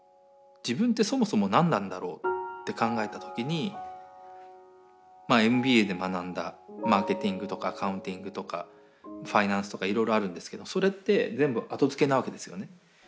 自分ってそもそも何なんだろうって考えた時にＭＢＡで学んだマーケティングとかアカウンティングとかファイナンスとかいろいろあるんですけどそれって全部後付けなわけですよね。